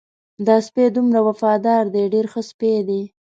دا سپی دومره وفادار دی ډېر ښه سپی دی.